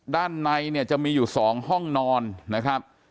ด้านในเนี่ยจะมีอยู่๒ห้องนอนนะครับ